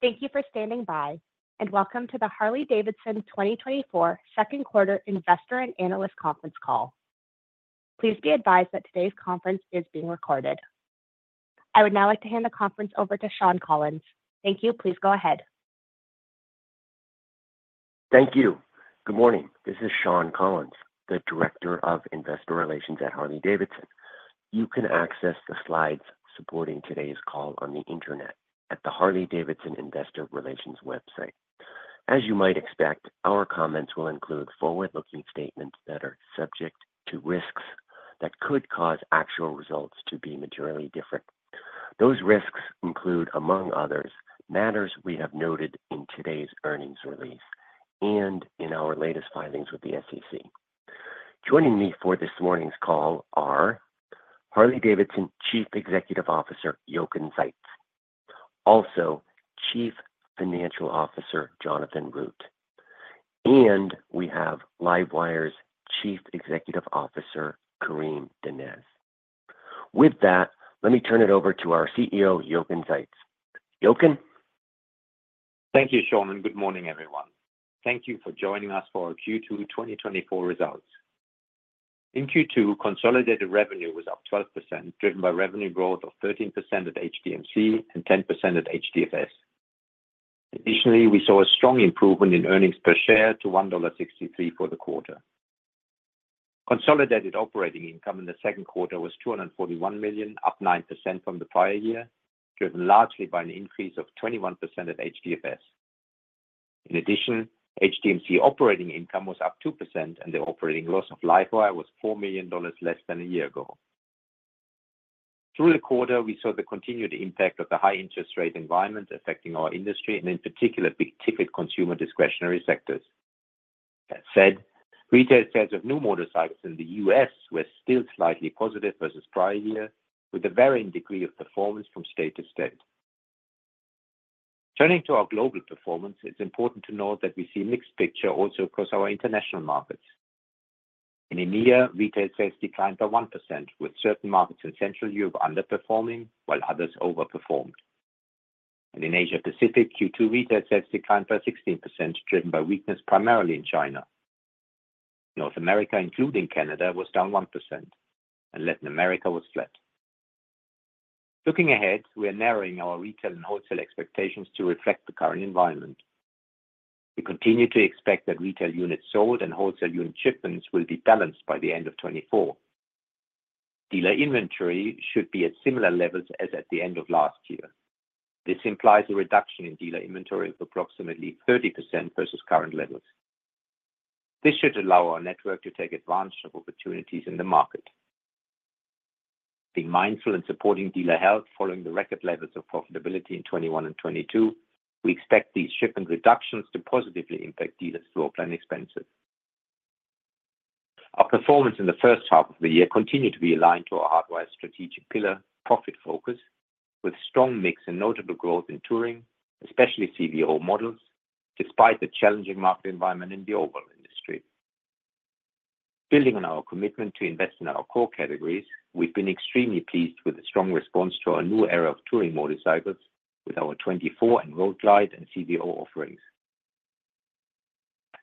Thank you for standing by, and welcome to the Harley-Davidson 2024 second quarter investor and analyst conference call. Please be advised that today's conference is being recorded. I would now like to hand the conference over to Shawn Collins. Thank you, please go ahead. Thank you. Good morning. This is Shawn Collins, the Director of Investor Relations at Harley-Davidson. You can access the slides supporting today's call on the internet at the Harley-Davidson Investor Relations website. As you might expect, our comments will include forward-looking statements that are subject to risks that could cause actual results to be materially different. Those risks include, among others, matters we have noted in today's earnings release and in our latest filings with the SEC. Joining me for this morning's call are Harley-Davidson Chief Executive Officer Jochen Zeitz, also Chief Financial Officer Jonathan Root, and we have LiveWire's Chief Executive Officer Karim Donnez. With that, let me turn it over to our CEO, Jochen Zeitz. Jochen? Thank you, Shawn. Good morning, everyone. Thank you for joining us for our Q2 2024 results. In Q2, consolidated revenue was up 12%, driven by revenue growth of 13% at HDMC and 10% at HDFS. Additionally, we saw a strong improvement in earnings per share to $1.63 for the quarter. Consolidated operating income in the second quarter was $241 million, up 9% from the prior year, driven largely by an increase of 21% at HDFS. In addition, HDMC operating income was up 2%, and the operating loss of LiveWire was $4 million less than a year ago. Through the quarter, we saw the continued impact of the high interest rate environment affecting our industry, and in particular, big-ticket consumer discretionary sectors. That said, retail sales of new motorcycles in the U.S. were still slightly positive versus prior year, with a varying degree of performance from state to state. Turning to our global performance, it's important to note that we see a mixed picture also across our international markets. In India, retail sales declined by 1%, with certain markets in Central Europe underperforming while others overperformed. And in Asia Pacific, Q2 retail sales declined by 16%, driven by weakness primarily in China. North America, including Canada, was down 1%, and Latin America was flat. Looking ahead, we are narrowing our retail and wholesale expectations to reflect the current environment. We continue to expect that retail units sold and wholesale unit shipments will be balanced by the end of 2024. Dealer inventory should be at similar levels as at the end of last year. This implies a reduction in dealer inventory of approximately 30% versus current levels. This should allow our network to take advantage of opportunities in the market. Being mindful and supporting dealer health following the record levels of profitability in 2021 and 2022, we expect these shipment reductions to positively impact dealers' floor plan expenses. Our performance in the first half of the year continued to be aligned to our Hardwire's strategic pillar, Profit Focus, with strong mix and notable growth in Touring, especially CVO models, despite the challenging market environment in the overall industry. Building on our commitment to invest in our core categories, we've been extremely pleased with the strong response to our new era of Touring motorcycles with our 2024 Road Glide and CVO offerings.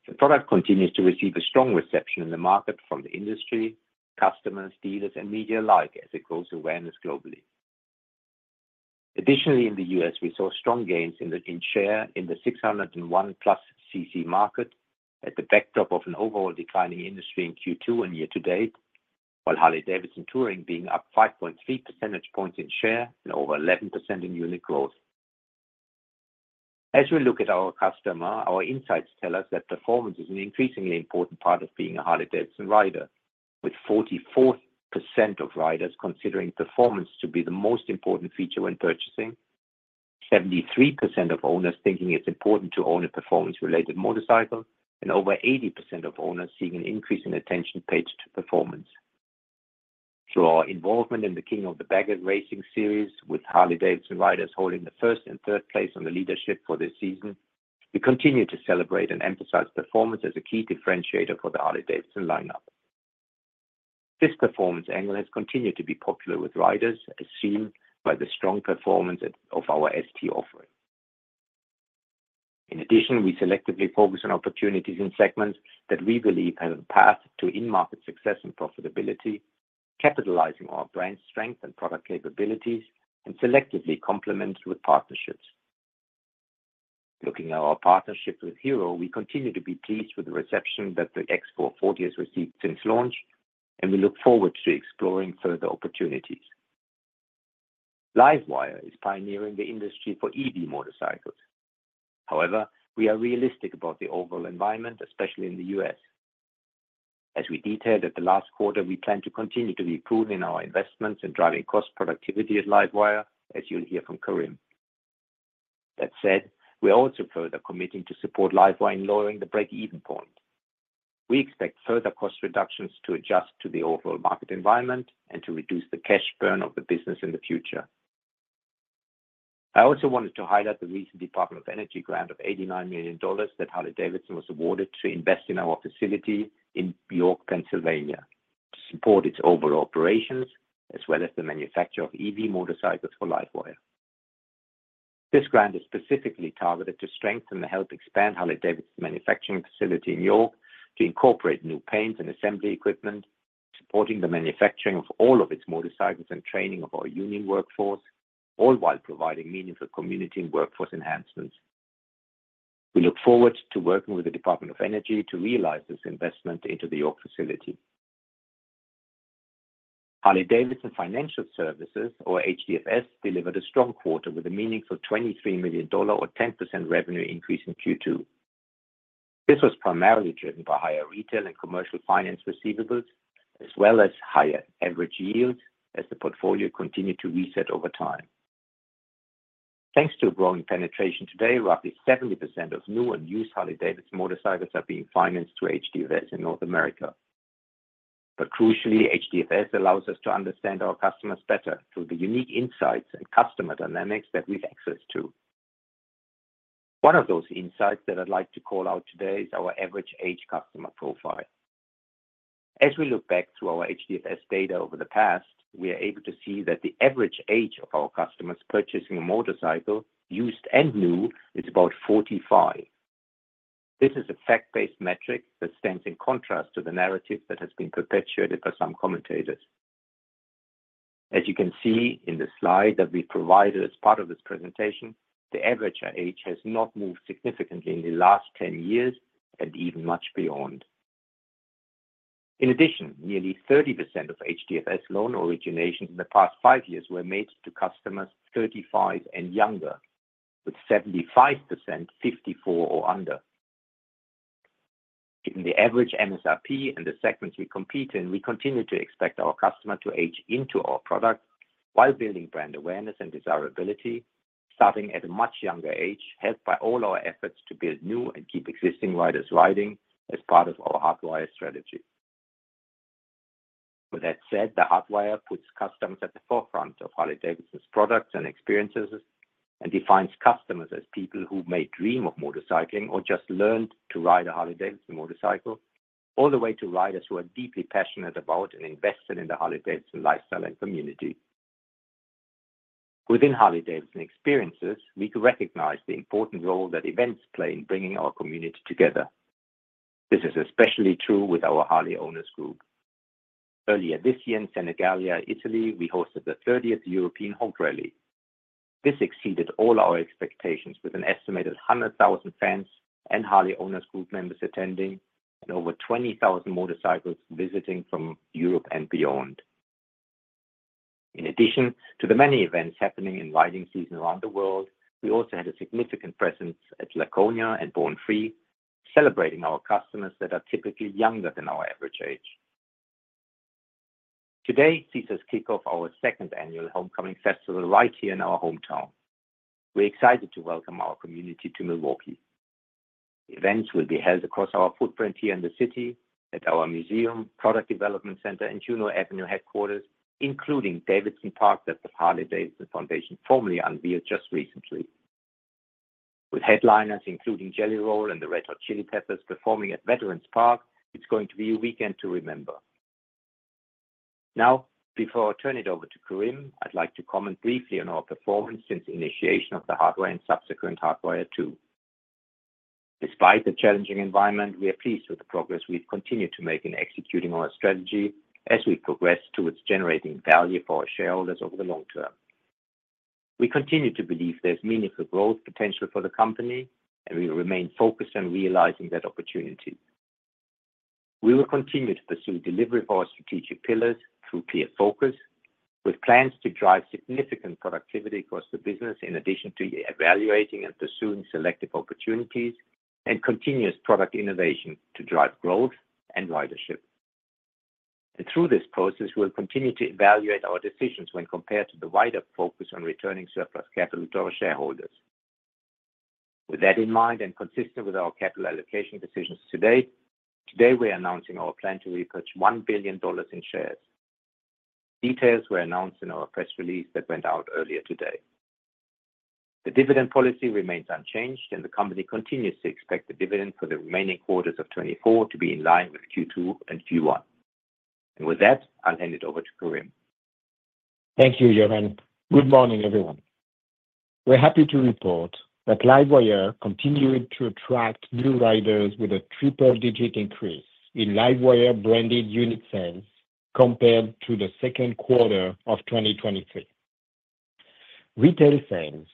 The product continues to receive a strong reception in the market from the industry, customers, dealers, and media alike as it grows awareness globally. Additionally, in the U.S., we saw strong gains in share in the 601+ CC market against the backdrop of an overall declining industry in Q2 and year to date, while Harley-Davidson Touring being up 5.3 percentage points in share and over 11% in unit growth. As we look at our customer, our insights tell us that performance is an increasingly important part of being a Harley-Davidson rider, with 44% of riders considering performance to be the most important feature when purchasing, 73% of owners thinking it's important to own a performance-related motorcycle, and over 80% of owners seeing an increase in attention paid to performance. Through our involvement in the King of the Baggers Racing Series, with Harley-Davidson riders holding the first and third place on the leaderboard for this season, we continue to celebrate and emphasize performance as a key differentiator for the Harley-Davidson lineup. This performance angle has continued to be popular with riders, as seen by the strong performance of our ST offering. In addition, we selectively focus on opportunities in segments that we believe have a path to in-market success and profitability, capitalizing on our brand strength and product capabilities, and selectively complement with partnerships. Looking at our partnership with Hero, we continue to be pleased with the reception that the X440 has received since launch, and we look forward to exploring further opportunities. LiveWire is pioneering the industry for EV motorcycles. However, we are realistic about the overall environment, especially in the U.S. As we detailed at the last quarter, we plan to continue to be prudent in our investments in driving cost productivity at LiveWire, as you'll hear from Karim. That said, we're also further committing to support LiveWire in lowering the break-even point. We expect further cost reductions to adjust to the overall market environment and to reduce the cash burn of the business in the future. I also wanted to highlight the recent Department of Energy grant of $89 million that Harley-Davidson was awarded to invest in our facility in York, Pennsylvania, to support its overall operations, as well as the manufacture of EV motorcycles for LiveWire. This grant is specifically targeted to strengthen and help expand Harley-Davidson's manufacturing facility in York to incorporate new paints and assembly equipment, supporting the manufacturing of all of its motorcycles and training of our union workforce, all while providing meaningful community and workforce enhancements. We look forward to working with the Department of Energy to realize this investment into the York facility. Harley-Davidson Financial Services, or HDFS, delivered a strong quarter with a meaningful $23 million or 10% revenue increase in Q2. This was primarily driven by higher retail and commercial finance receivables, as well as higher average yields as the portfolio continued to reset over time. Thanks to growing penetration today, roughly 70% of new and used Harley-Davidson motorcycles are being financed through HDFS in North America. But crucially, HDFS allows us to understand our customers better through the unique insights and customer dynamics that we've accessed to. One of those insights that I'd like to call out today is our average age customer profile. As we look back through our HDFS data over the past, we are able to see that the average age of our customers purchasing a motorcycle, used and new, is about 45. This is a fact-based metric that stands in contrast to the narrative that has been perpetuated by some commentators. As you can see in the slide that we've provided as part of this presentation, the average age has not moved significantly in the last 10 years and even much beyond. In addition, nearly 30% of HDFS loan originations in the past five years were made to customers 35 and younger, with 75% 54 or under. Given the average MSRP and the segments we compete in, we continue to expect our customer to age into our product while building brand awareness and desirability starting at a much younger age, helped by all our efforts to build new and keep existing riders riding as part of our Hardwire strategy. With that said, the Hardwire puts customers at the forefront of Harley-Davidson's products and experiences and defines customers as people who may dream of motorcycling or just learned to ride a Harley-Davidson motorcycle, all the way to riders who are deeply passionate about and invested in the Harley-Davidson lifestyle and community. Within Harley-Davidson experiences, we can recognize the important role that events play in bringing our community together. This is especially true with our Harley Owners Group. Earlier this year in Senigallia, Italy, we hosted the 30th European H.O.G. Rally. This exceeded all our expectations with an estimated 100,000 fans and Harley Owners Group members attending and over 20,000 motorcycles visiting from Europe and beyond. In addition to the many events happening in riding season around the world, we also had a significant presence at Laconia and Born-Free, celebrating our customers that are typically younger than our average age. Today sees us kick off our second annual Homecoming Festival right here in our hometown. We're excited to welcome our community to Milwaukee. Events will be held across our footprint here in the city at our museum, product development center, and Juneau Avenue headquarters, including Davidson Park that the Harley-Davidson Foundation formally unveiled just recently. With headliners including Jelly Roll and the Red Hot Chili Peppers performing at Veterans Park, it's going to be a weekend to remember. Now, before I turn it over to Karim, I'd like to comment briefly on our performance since the initiation of the Hardwire and subsequent Hardwire II. Despite the challenging environment, we are pleased with the progress we've continued to make in executing our strategy as we progress towards generating value for our shareholders over the long term. We continue to believe there's meaningful growth potential for the company, and we will remain focused on realizing that opportunity. We will continue to pursue delivery of our strategic pillars through clear focus, with plans to drive significant productivity across the business in addition to evaluating and pursuing selective opportunities and continuous product innovation to drive growth and ridership. Through this process, we'll continue to evaluate our decisions when compared to the wider focus on returning surplus capital to our shareholders. With that in mind and consistent with our capital allocation decisions today, today we're announcing our plan to repurchase $1 billion in shares. Details were announced in our press release that went out earlier today. The dividend policy remains unchanged, and the company continues to expect the dividend for the remaining quarters of 2024 to be in line with Q2 and Q1. And with that, I'll hand it over to Karim. Thank you, Jochen. Good morning, everyone. We're happy to report that LiveWire continued to attract new riders with a triple-digit increase in LiveWire branded unit sales compared to the second quarter of 2023. Retail sales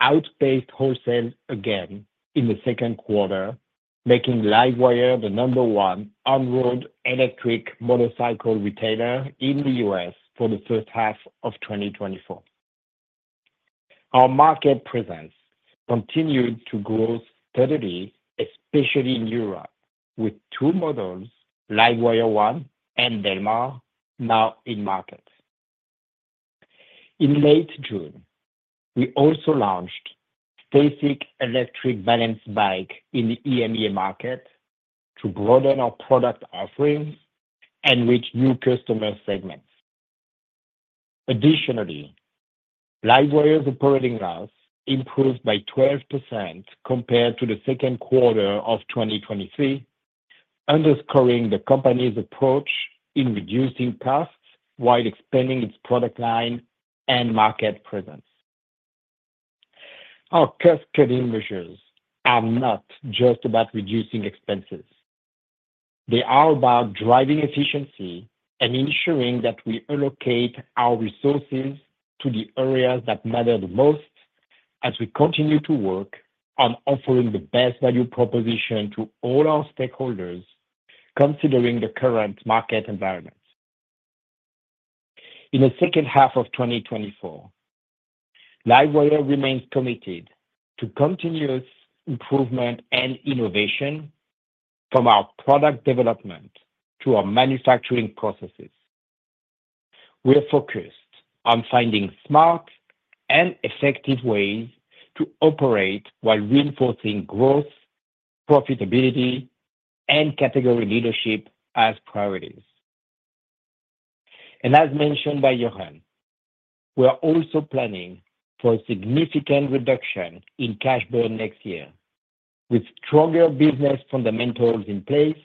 outpaced wholesale again in the second quarter, making LiveWire the number one on-road electric motorcycle retailer in the U.S. for the first half of 2024. Our market presence continued to grow steadily, especially in Europe, with two models, LiveWire One and Del Mar, now in market. In late June, we also launched a basic electric balance bike in the EMEA market to broaden our product offerings and reach new customer segments. Additionally, LiveWire's operating loss improved by 12% compared to the second quarter of 2023, underscoring the company's approach in reducing costs while expanding its product line and market presence. Our cost reduction measures are not just about reducing expenses. They are about driving efficiency and ensuring that we allocate our resources to the areas that matter the most as we continue to work on offering the best value proposition to all our stakeholders, considering the current market environment. In the second half of 2024, LiveWire remains committed to continuous improvement and innovation from our product development to our manufacturing processes. We are focused on finding smart and effective ways to operate while reinforcing growth, profitability, and category leadership as priorities. And as mentioned by Jochen, we are also planning for a significant reduction in cash burn next year, with stronger business fundamentals in place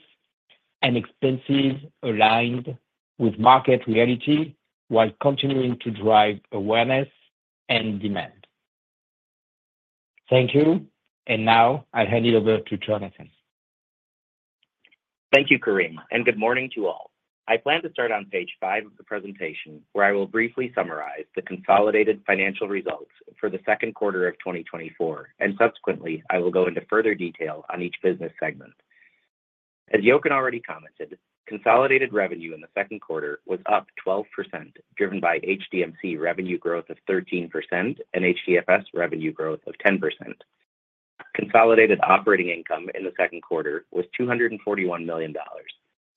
and expenses aligned with market reality while continuing to drive awareness and demand. Thank you. And now I'll hand it over to Jonathan. Thank you, Karim, and good morning to all. I plan to start on page five of the presentation, where I will briefly summarize the consolidated financial results for the second quarter of 2024, and subsequently, I will go into further detail on each business segment. As Jochen already commented, consolidated revenue in the second quarter was up 12%, driven by HDMC revenue growth of 13% and HDFS revenue growth of 10%. Consolidated operating income in the second quarter was $241 million,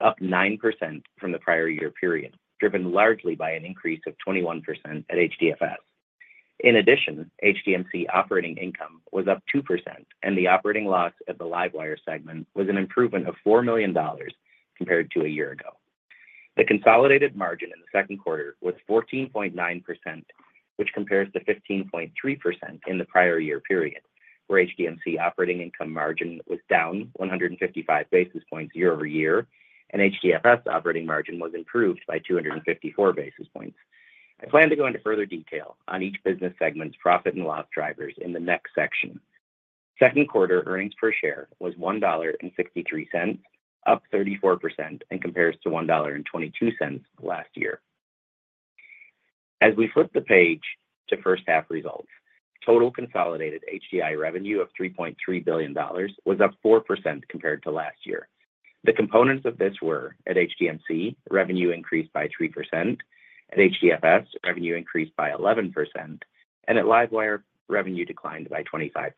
up 9% from the prior year period, driven largely by an increase of 21% at HDFS. In addition, HDMC operating income was up 2%, and the operating loss at the LiveWire segment was an improvement of $4 million compared to a year ago. The consolidated margin in the second quarter was 14.9%, which compares to 15.3% in the prior year period, where HDMC operating income margin was down 155 basis points year-over-year, and HDFS operating margin was improved by 254 basis points. I plan to go into further detail on each business segment's profit and loss drivers in the next section. Second quarter earnings per share was $1.63, up 34% in comparison to $1.22 last year. As we flip the page to first-half results, total consolidated HDI revenue of $3.3 billion was up 4% compared to last year. The components of this were at HDMC, revenue increased by 3%; at HDFS, revenue increased by 11%; and at LiveWire, revenue declined by 25%.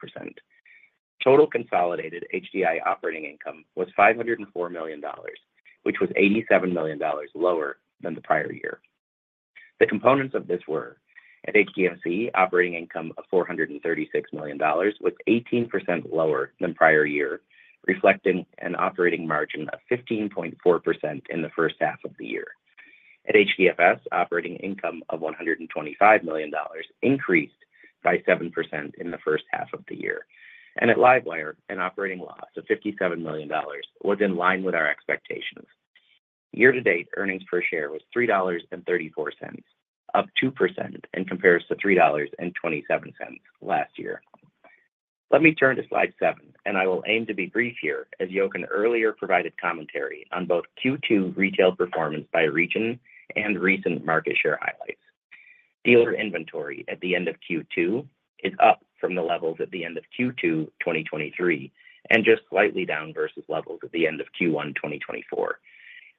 Total consolidated HDI operating income was $504 million, which was $87 million lower than the prior year. The components of this were at HDMC, operating income of $436 million was 18% lower than prior year, reflecting an operating margin of 15.4% in the first half of the year. At HDFS, operating income of $125 million increased by 7% in the first half of the year. And at LiveWire, an operating loss of $57 million was in line with our expectations. Year-to-date earnings per share was $3.34, up 2% in comparison to $3.27 last year. Let me turn to slide 7, and I will aim to be brief here as Jochen earlier provided commentary on both Q2 retail performance by region and recent market share highlights. Dealer inventory at the end of Q2 is up from the levels at the end of Q2 2023 and just slightly down versus levels at the end of Q1 2024.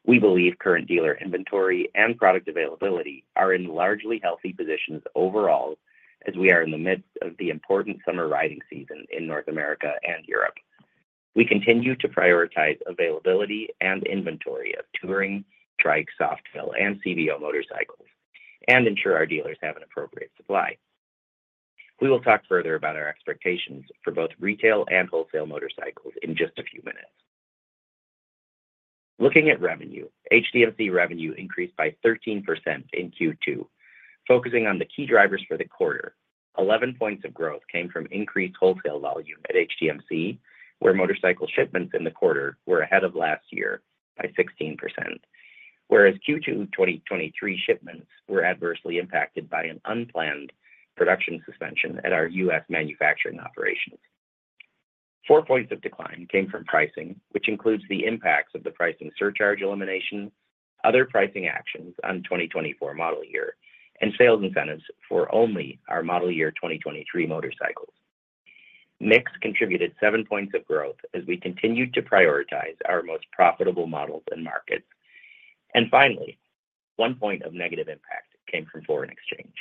We believe current dealer inventory and product availability are in largely healthy positions overall as we are in the midst of the important summer riding season in North America and Europe. We continue to prioritize availability and inventory of touring, trike, Softail, and CVO motorcycles and ensure our dealers have an appropriate supply. We will talk further about our expectations for both retail and wholesale motorcycles in just a few minutes. Looking at revenue, HDMC revenue increased by 13% in Q2. Focusing on the key drivers for the quarter, 11 points of growth came from increased wholesale volume at HDMC, where motorcycle shipments in the quarter were ahead of last year by 16%, whereas Q2 2023 shipments were adversely impacted by an unplanned production suspension at our U.S. manufacturing operations. 4 points of decline came from pricing, which includes the impacts of the pricing surcharge elimination, other pricing actions on 2024 model year, and sales incentives for only our model year 2023 motorcycles. Mix contributed seven points of growth as we continued to prioritize our most profitable models and markets. Finally, one point of negative impact came from foreign exchange.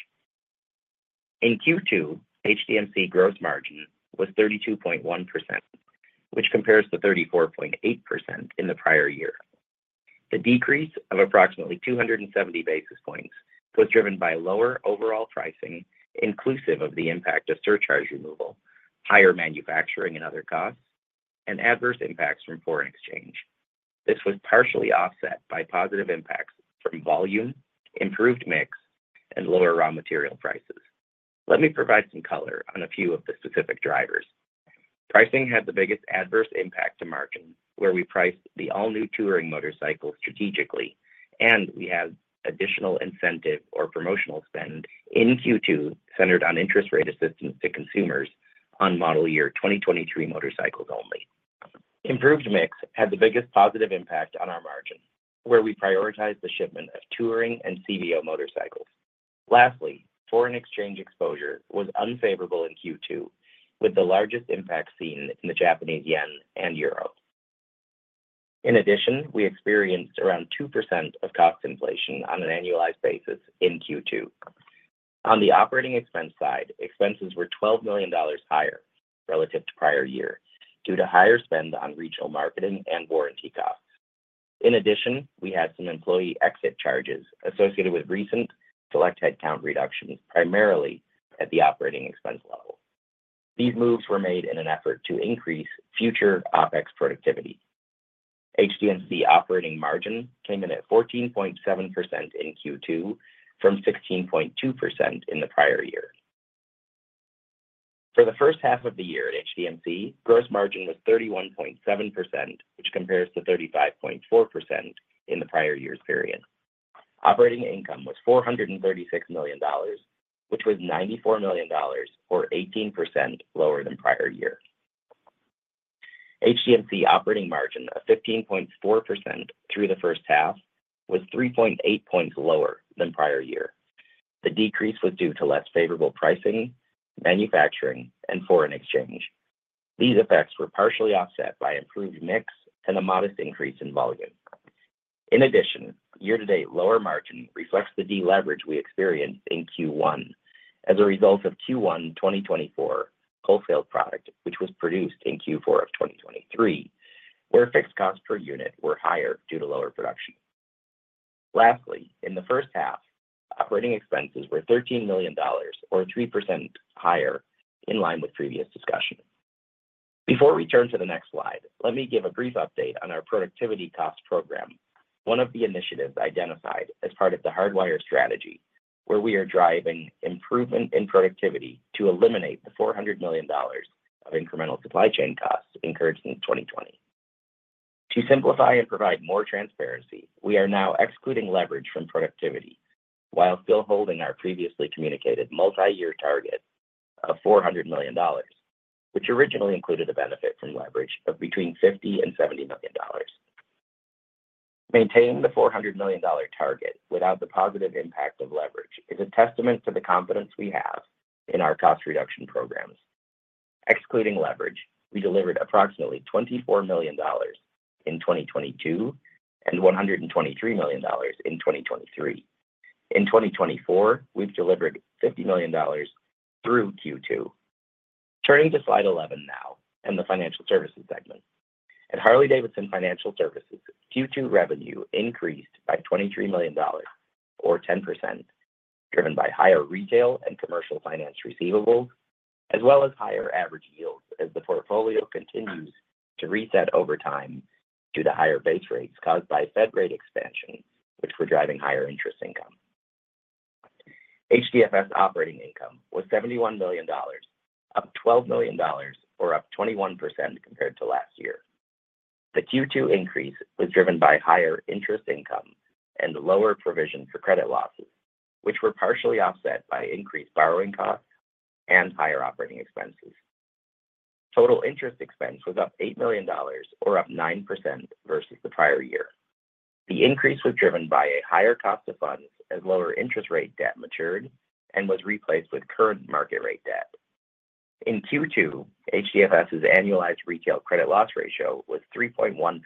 In Q2, HDMC gross margin was 32.1%, which compares to 34.8% in the prior year. The decrease of approximately 270 basis points was driven by lower overall pricing, inclusive of the impact of surcharge removal, higher manufacturing and other costs, and adverse impacts from foreign exchange. This was partially offset by positive impacts from volume, improved mix, and lower raw material prices. Let me provide some color on a few of the specific drivers. Pricing had the biggest adverse impact to margin, where we priced the all-new touring motorcycle strategically, and we had additional incentive or promotional spend in Q2 centered on interest rate assistance to consumers on model year 2023 motorcycles only. Improved mix had the biggest positive impact on our margin, where we prioritized the shipment of touring and CVO motorcycles. Lastly, foreign exchange exposure was unfavorable in Q2, with the largest impact seen in the Japanese yen and euro. In addition, we experienced around 2% of cost inflation on an annualized basis in Q2. On the operating expense side, expenses were $12 million higher relative to prior year due to higher spend on regional marketing and warranty costs. In addition, we had some employee exit charges associated with recent select headcount reductions, primarily at the operating expense level. These moves were made in an effort to increase future OpEx productivity. HDMC operating margin came in at 14.7% in Q2 from 16.2% in the prior year. For the first half of the year at HDMC, gross margin was 31.7%, which compares to 35.4% in the prior year's period. Operating income was $436 million, which was $94 million, or 18% lower than prior year. HDMC operating margin of 15.4% through the first half was 3.8 points lower than prior year. The decrease was due to less favorable pricing, manufacturing, and foreign exchange. These effects were partially offset by improved mix and a modest increase in volume. In addition, year-to-date lower margin reflects the deleverage we experienced in Q1 as a result of Q1 2024 wholesale product, which was produced in Q4 of 2023, where fixed costs per unit were higher due to lower production. Lastly, in the first half, operating expenses were $13 million, or 3% higher, in line with previous discussion. Before we turn to the next slide, let me give a brief update on our productivity cost program, one of the initiatives identified as part of the Hardwire strategy, where we are driving improvement in productivity to eliminate the $400 million of incremental supply chain costs incurred since 2020. To simplify and provide more transparency, we are now excluding leverage from productivity while still holding our previously communicated multi-year target of $400 million, which originally included a benefit from leverage of between $50-$70 million. Maintaining the $400 million target without the positive impact of leverage is a testament to the confidence we have in our cost reduction programs. Excluding leverage, we delivered approximately $24 million in 2022 and $123 million in 2023. In 2024, we've delivered $50 million through Q2. Turning to slide 11 now and the financial services segment. At Harley-Davidson Financial Services, Q2 revenue increased by $23 million, or 10%, driven by higher retail and commercial finance receivables, as well as higher average yields as the portfolio continues to reset over time due to higher base rates caused by Fed rate expansion, which were driving higher interest income. HDFS operating income was $71 million, up $12 million, or up 21% compared to last year. The Q2 increase was driven by higher interest income and lower provision for credit losses, which were partially offset by increased borrowing costs and higher operating expenses. Total interest expense was up $8 million, or up 9% versus the prior year. The increase was driven by a higher cost of funds as lower interest rate debt matured and was replaced with current market rate debt. In Q2, HDFS's annualized retail credit loss ratio was 3.1%,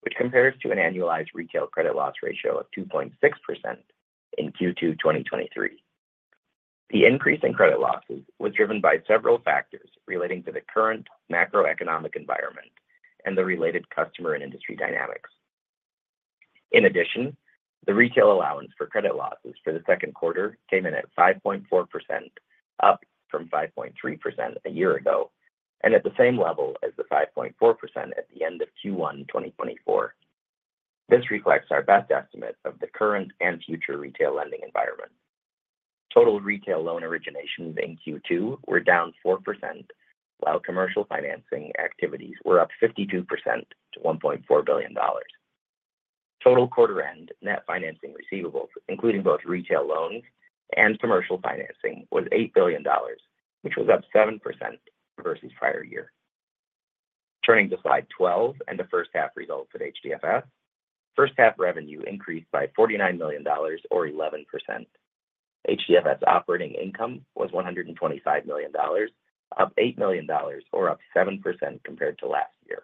which compares to an annualized retail credit loss ratio of 2.6% in Q2 2023. The increase in credit losses was driven by several factors relating to the current macroeconomic environment and the related customer and industry dynamics. In addition, the retail allowance for credit losses for the second quarter came in at 5.4%, up from 5.3% a year ago and at the same level as the 5.4% at the end of Q1 2024. This reflects our best estimate of the current and future retail lending environment. Total retail loan originations in Q2 were down 4%, while commercial financing activities were up 52% to $1.4 billion. Total quarter-end net financing receivables, including both retail loans and commercial financing, was $8 billion, which was up 7% versus prior year. Turning to slide 12 and the first-half results at HDFS, first-half revenue increased by $49 million, or 11%. HDFS operating income was $125 million, up $8 million, or up 7% compared to last year.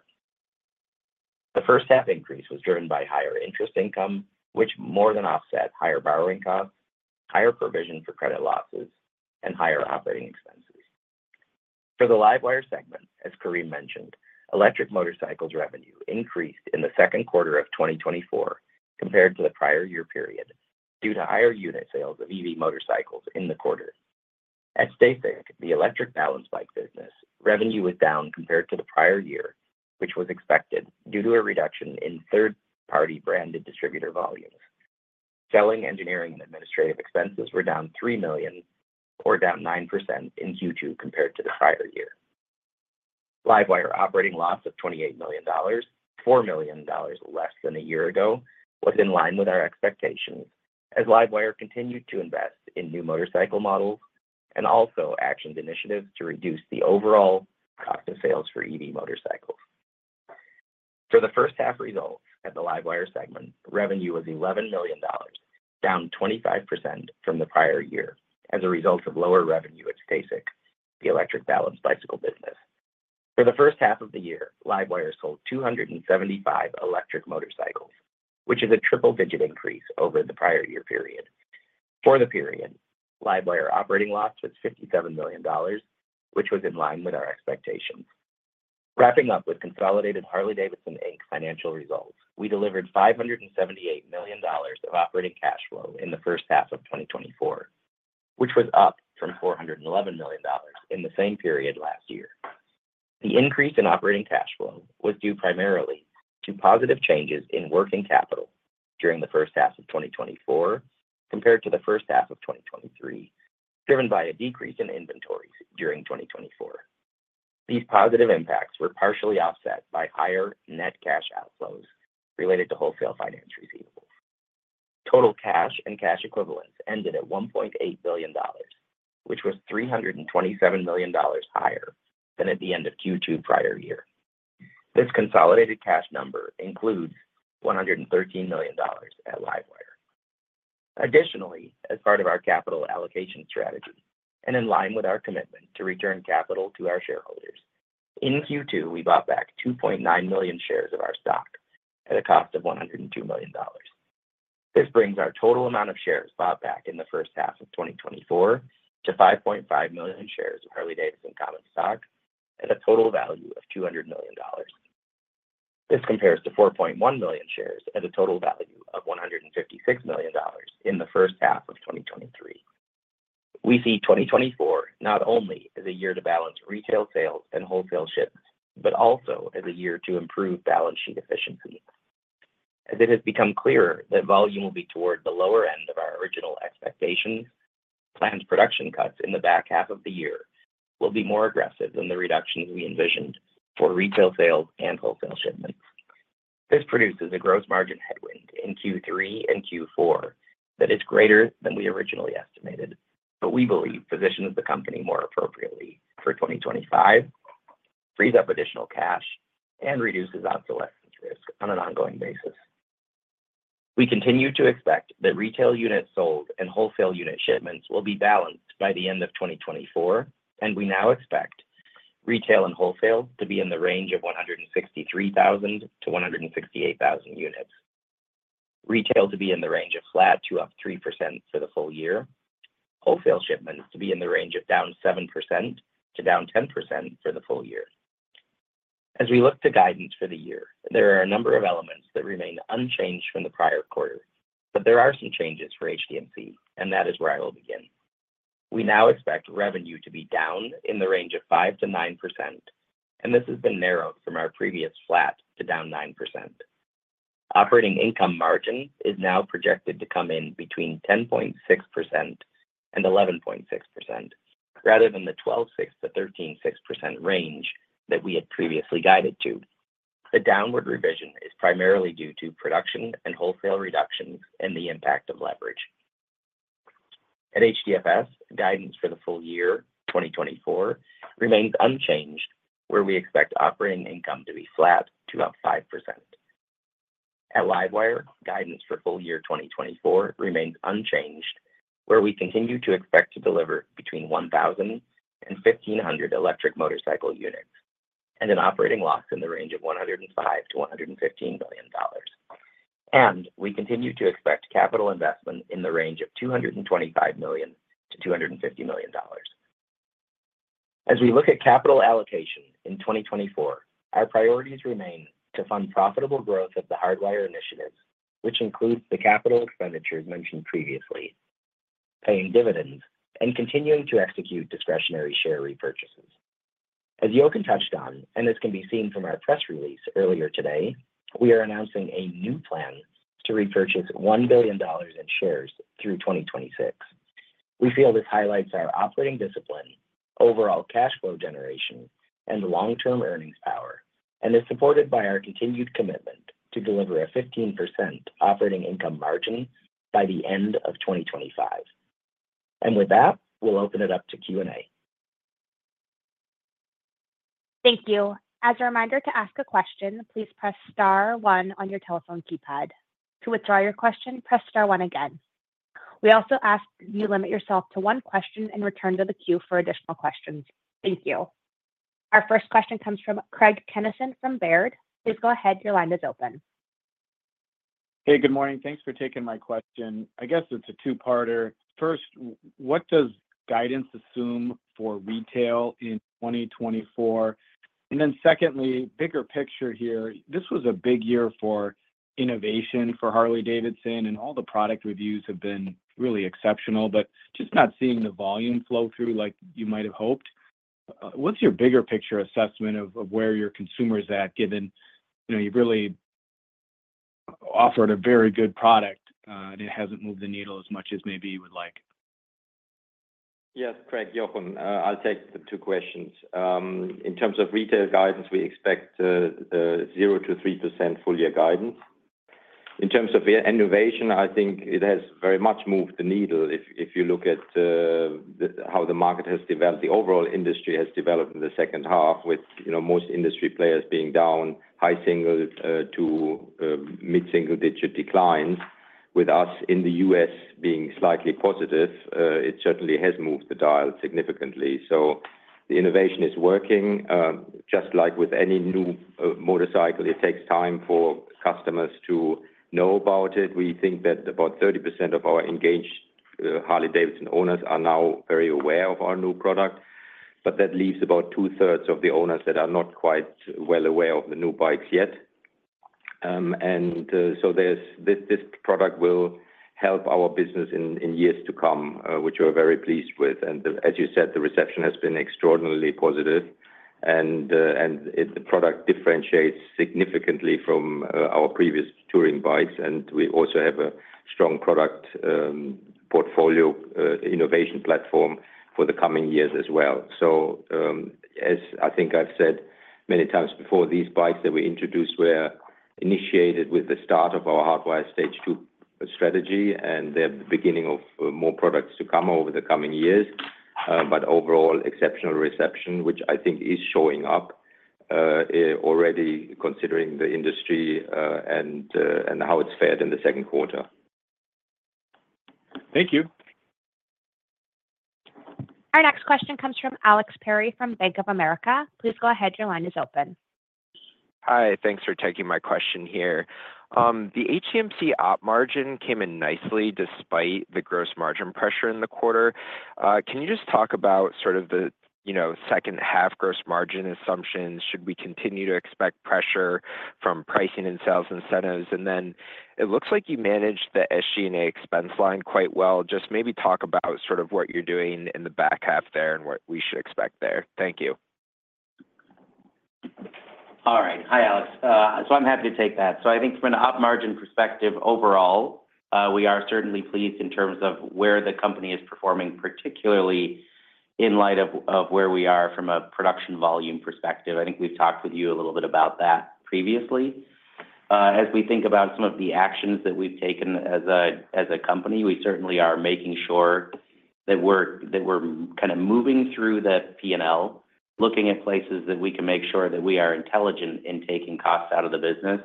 The first-half increase was driven by higher interest income, which more than offset higher borrowing costs, higher provision for credit losses, and higher operating expenses. For the LiveWire segment, as Karim mentioned, electric motorcycles revenue increased in the second quarter of 2024 compared to the prior year period due to higher unit sales of EV motorcycles in the quarter. At STACYC, the electric balance bike business revenue was down compared to the prior year, which was expected due to a reduction in third-party branded distributor volumes. Selling, engineering, and administrative expenses were down $3 million, or down 9% in Q2 compared to the prior year. LiveWire operating loss of $28 million, $4 million less than a year ago, was in line with our expectations as LiveWire continued to invest in new motorcycle models and also actioned initiatives to reduce the overall cost of sales for EV motorcycles. For the first-half results at the LiveWire segment, revenue was $11 million, down 25% from the prior year as a result of lower revenue at STACYC, the electric balance bicycle business. For the first half of the year, LiveWire sold 275 electric motorcycles, which is a triple-digit increase over the prior year period. For the period, LiveWire operating loss was $57 million, which was in line with our expectations. Wrapping up with consolidated Harley-Davidson, Inc. financial results, we delivered $578 million of operating cash flow in the first half of 2024, which was up from $411 million in the same period last year. The increase in operating cash flow was due primarily to positive changes in working capital during the first half of 2024 compared to the first half of 2023, driven by a decrease in inventories during 2024. These positive impacts were partially offset by higher net cash outflows related to wholesale finance receivables. Total cash and cash equivalents ended at $1.8 billion, which was $327 million higher than at the end of Q2 prior year. This consolidated cash number includes $113 million at LiveWire. Additionally, as part of our capital allocation strategy and in line with our commitment to return capital to our shareholders, in Q2, we bought back 2.9 million shares of our stock at a cost of $102 million. This brings our total amount of shares bought back in the first half of 2024 to 5.5 million shares of Harley-Davidson Common Stock at a total value of $200 million. This compares to 4.1 million shares at a total value of $156 million in the first half of 2023. We see 2024 not only as a year to balance retail sales and wholesale shipments, but also as a year to improve balance sheet efficiency. As it has become clearer that volume will be toward the lower end of our original expectations, planned production cuts in the back half of the year will be more aggressive than the reductions we envisioned for retail sales and wholesale shipments. This produces a gross margin headwind in Q3 and Q4 that is greater than we originally estimated, but we believe positions the company more appropriately for 2025, frees up additional cash, and reduces obsolescence risk on an ongoing basis. We continue to expect that retail units sold and wholesale unit shipments will be balanced by the end of 2024, and we now expect retail and wholesale to be in the range of 163,000-168,000 units, retail to be in the range of flat to up 3% for the full year, wholesale shipments to be in the range of down 7%-10% for the full year. As we look to guidance for the year, there are a number of elements that remain unchanged from the prior quarter, but there are some changes for HDMC, and that is where I will begin. We now expect revenue to be down in the range of 5%-9%, and this has been narrowed from our previous flat to down 9%. Operating income margin is now projected to come in between 10.6%-11.6%, rather than the 12.6%-13.6% range that we had previously guided to. The downward revision is primarily due to production and wholesale reductions and the impact of leverage. At HDFS, guidance for the full year, 2024, remains unchanged, where we expect operating income to be flat to up 5%. At LiveWire, guidance for full year 2024 remains unchanged, where we continue to expect to deliver between 1,000-1,500 electric motorcycle units and an operating loss in the range of $105 million-$115 million. And we continue to expect capital investment in the range of $225 million-$250 million. As we look at capital allocation in 2024, our priorities remain to fund profitable growth of the Hardwire initiatives, which includes the capital expenditures mentioned previously, paying dividends, and continuing to execute discretionary share repurchases. As Jochen touched on, and as can be seen from our press release earlier today, we are announcing a new plan to repurchase $1 billion in shares through 2026. We feel this highlights our operating discipline, overall cash flow generation, and long-term earnings power, and is supported by our continued commitment to deliver a 15% operating income margin by the end of 2025. And with that, we'll open it up to Q&A. Thank you. As a reminder to ask a question, please press star one on your telephone keypad. To withdraw your question, press star one again. We also ask that you limit yourself to one question and return to the queue for additional questions. Thank you. Our first question comes from Craig Kennison from Baird. Please go ahead. Your line is open. Hey, good morning. Thanks for taking my question. I guess it's a two-parter. First, what does guidance assume for retail in 2024? And then secondly, bigger picture here. This was a big year for innovation for Harley-Davidson, and all the product reviews have been really exceptional, but just not seeing the volume flow through like you might have hoped. What's your bigger picture assessment of where your consumers at, given you've really offered a very good product and it hasn't moved the needle as much as maybe you would like? Yes, Craig, Jochen, I'll take the two questions. In terms of retail guidance, we expect 0%-3% full-year guidance. In terms of innovation, I think it has very much moved the needle if you look at how the market has developed. The overall industry has developed in the second half, with most industry players being down high-single- to mid-single-digit declines. With us in the U.S. being slightly positive, it certainly has moved the dial significantly. So the innovation is working. Just like with any new motorcycle, it takes time for customers to know about it. We think that about 30% of our engaged Harley-Davidson owners are now very aware of our new product, but that leaves about two-thirds of the owners that are not quite well aware of the new bikes yet. And so this product will help our business in years to come, which we're very pleased with. And as you said, the reception has been extraordinarily positive, and the product differentiates significantly from our previous touring bikes. And we also have a strong product portfolio innovation platform for the coming years as well. So as I think I've said many times before, these bikes that we introduced were initiated with the start of our Hardwire Stage 2 strategy, and they're the beginning of more products to come over the coming years. But overall, exceptional reception, which I think is showing up already considering the industry and how it's fared in the second quarter. Thank you. Our next question comes from Alex Perry from Bank of America. Please go ahead. Your line is open. Hi. Thanks for taking my question here. The HDMC op margin came in nicely despite the gross margin pressure in the quarter. Can you just talk about sort of the second-half gross margin assumptions? Should we continue to expect pressure from pricing and sales incentives? And then it looks like you managed the SG&A expense line quite well. Just maybe talk about sort of what you're doing in the back half there and what we should expect there. Thank you. All right. Hi, Alex. So I'm happy to take that. So I think from an op margin perspective, overall, we are certainly pleased in terms of where the company is performing, particularly in light of where we are from a production volume perspective. I think we've talked with you a little bit about that previously. As we think about some of the actions that we've taken as a company, we certainly are making sure that we're kind of moving through the P&L, looking at places that we can make sure that we are intelligent in taking costs out of the business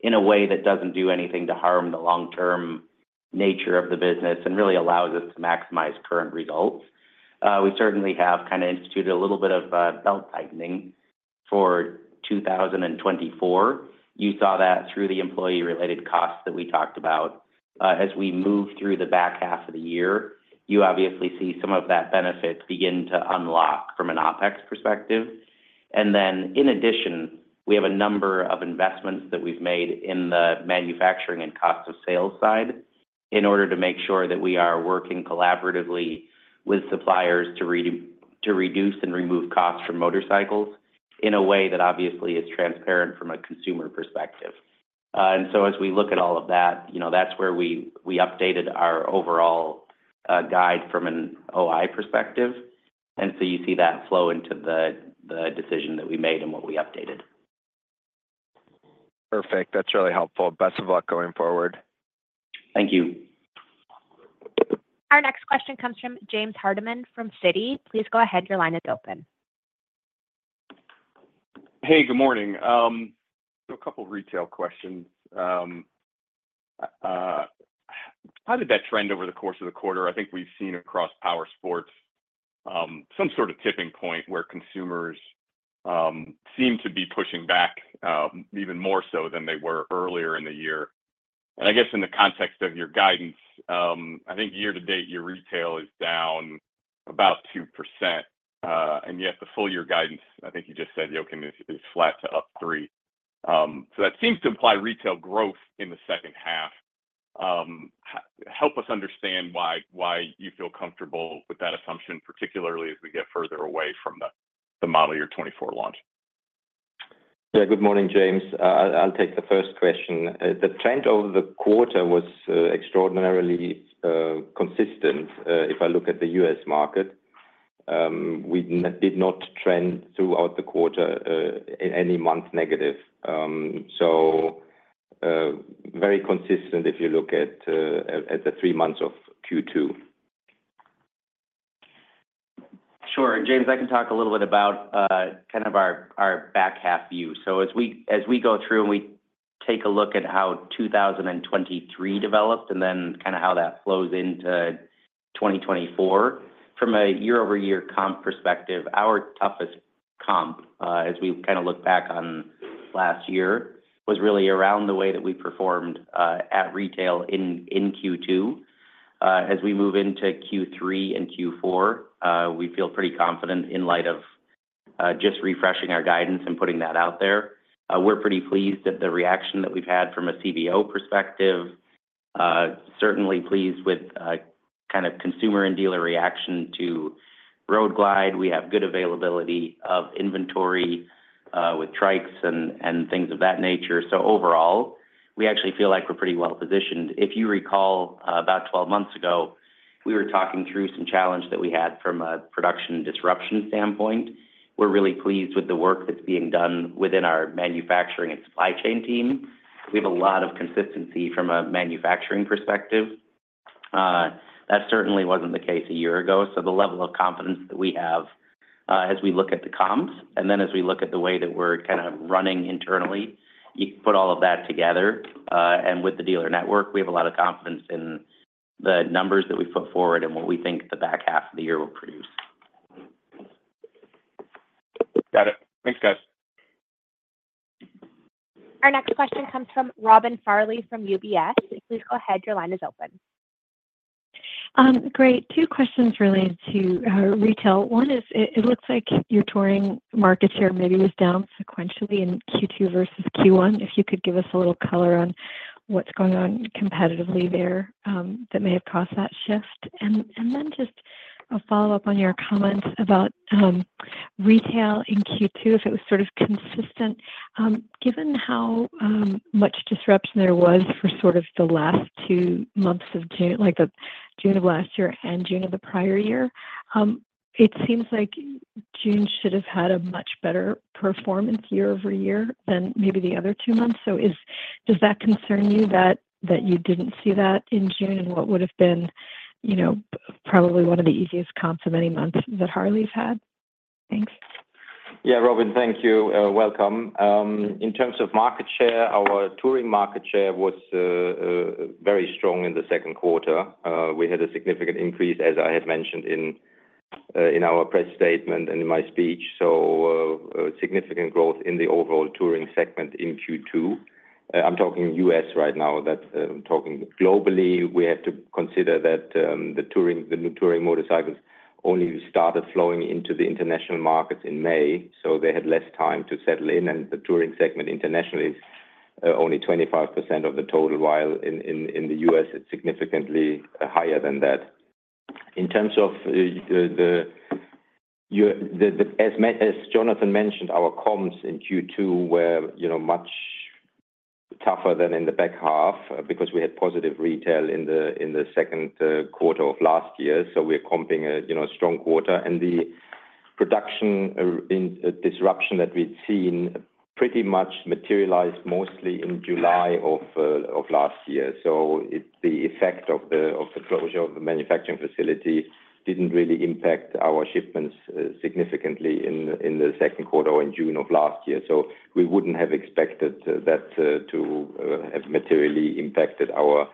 in a way that doesn't do anything to harm the long-term nature of the business and really allows us to maximize current results. We certainly have kind of instituted a little bit of belt tightening for 2024. You saw that through the employee-related costs that we talked about. As we move through the back half of the year, you obviously see some of that benefit begin to unlock from an OpEx perspective. And then in addition, we have a number of investments that we've made in the manufacturing and cost of sales side in order to make sure that we are working collaboratively with suppliers to reduce and remove costs from motorcycles in a way that obviously is transparent from a consumer perspective. And so as we look at all of that, that's where we updated our overall guide from an OI perspective. And so you see that flow into the decision that we made and what we updated. Perfect. That's really helpful. Best of luck going forward. Thank you. Our next question comes from James Hardiman from Citi. Please go ahead. Your line is open. Hey, good morning. A couple of retail questions. How did that trend over the course of the quarter? I think we've seen across Power Sports some sort of tipping point where consumers seem to be pushing back even more so than they were earlier in the year. And I guess in the context of your guidance, I think year-to-date your retail is down about 2%, and yet the full-year guidance, I think you just said, Jochen, is flat to up 3%. So that seems to imply retail growth in the second half. Help us understand why you feel comfortable with that assumption, particularly as we get further away from the model year 2024 launch. Yeah. Good morning, James. I'll take the first question. The trend over the quarter was extraordinarily consistent if I look at the U.S. market. We did not trend throughout the quarter in any month negative. So very consistent if you look at the three months of Q2. Sure. James, I can talk a little bit about kind of our back half view. So as we go through and we take a look at how 2023 developed and then kind of how that flows into 2024, from a year-over-year comp perspective, our toughest comp, as we kind of look back on last year, was really around the way that we performed at retail in Q2. As we move into Q3 and Q4, we feel pretty confident in light of just refreshing our guidance and putting that out there. We're pretty pleased at the reaction that we've had from a CVO perspective. Certainly pleased with kind of consumer and dealer reaction to Road Glide. We have good availability of inventory with Trikes and things of that nature. So overall, we actually feel like we're pretty well positioned. If you recall, about 12 months ago, we were talking through some challenges that we had from a production disruption standpoint. We're really pleased with the work that's being done within our manufacturing and supply chain team. We have a lot of consistency from a manufacturing perspective. That certainly wasn't the case a year ago. So the level of confidence that we have as we look at the comps and then as we look at the way that we're kind of running internally, you put all of that together. With the dealer network, we have a lot of confidence in the numbers that we put forward and what we think the back half of the year will produce. Got it. Thanks, guys. Our next question comes from Robin Farley from UBS. Please go ahead. Your line is open. Great. Two questions related to retail. One is it looks like your touring market share maybe was down sequentially in Q2 versus Q1. If you could give us a little color on what's going on competitively there that may have caused that shift. And then just a follow-up on your comments about retail in Q2, if it was sort of consistent. Given how much disruption there was for sort of the last two months of June, like the June of last year and June of the prior year, it seems like June should have had a much better performance year-over-year than maybe the other two months. So does that concern you that you didn't see that in June and what would have been probably one of the easiest comps of any month that Harley's had? Thanks. Yeah, Robin, thank you. Welcome. In terms of market share, our touring market share was very strong in the second quarter. We had a significant increase, as I had mentioned in our press statement and in my speech. So significant growth in the overall touring segment in Q2. I'm talking U.S. right now. I'm talking globally. We have to consider that the new touring motorcycles only started flowing into the international markets in May, so they had less time to settle in. The touring segment internationally is only 25% of the total, while in the U.S., it's significantly higher than that. In terms of, as Jonathan mentioned, our comps in Q2 were much tougher than in the back half because we had positive retail in the second quarter of last year. We're comping a strong quarter. The production disruption that we'd seen pretty much materialized mostly in July of last year. The effect of the closure of the manufacturing facility didn't really impact our shipments significantly in the second quarter or in June of last year. We wouldn't have expected that to have materially impacted our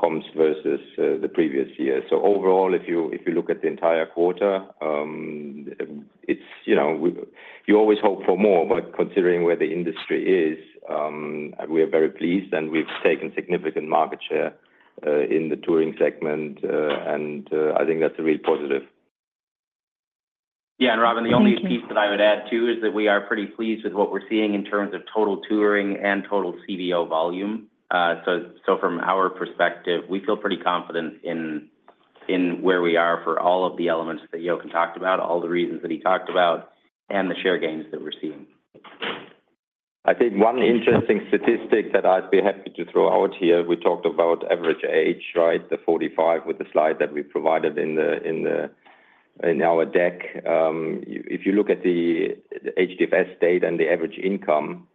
comps versus the previous year. So overall, if you look at the entire quarter, you always hope for more, but considering where the industry is, we are very pleased, and we've taken significant market share in the touring segment, and I think that's a real positive. Yeah. And Robin, the only piece that I would add too is that we are pretty pleased with what we're seeing in terms of total touring and total CVO volume. So from our perspective, we feel pretty confident in where we are for all of the elements that Jochen talked about, all the reasons that he talked about, and the share gains that we're seeing. I think one interesting statistic that I'd be happy to throw out here, we talked about average age, right, the 45 with the slide that we provided in our deck. If you look at the HDFS data and the average income,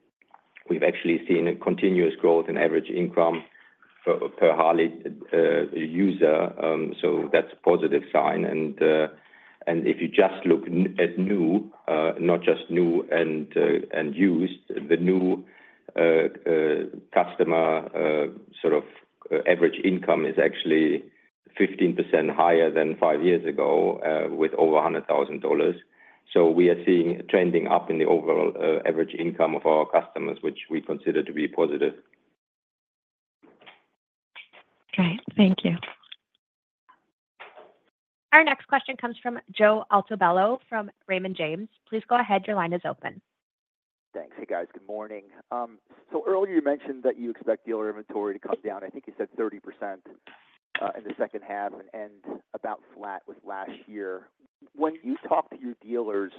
we've actually seen a continuous growth in average income per Harley user. So that's a positive sign. And if you just look at new, not just new and used, the new customer sort of average income is actually 15% higher than five years ago with over $100,000. So we are seeing trending up in the overall average income of our customers, which we consider to be positive. Right. Thank you. Our next question comes from Joe Altobello from Raymond James. Please go ahead. Your line is open. Thanks. Hey, guys. Good morning. So earlier you mentioned that you expect dealer inventory to come down. I think you said 30% in the second half and about flat with last year. When you talk to your dealers,